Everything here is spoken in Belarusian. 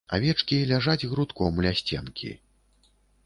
Авечкі ляжаць грудком ля сценкі.